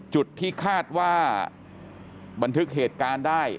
จุดที่คาดว่าบันทึกเหตุการณ์ได้